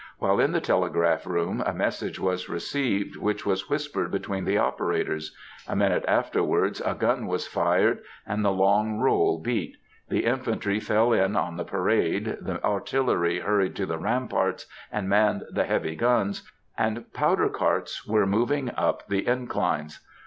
While in the telegraph room, a message was received, which was whispered between the operators; a minute afterwards a gun was fired, and the long roll beat; the infantry fell in on the parade, the artillery hurried to the ramparts and manned the heavy guns, and powder carts were moving up the inclines.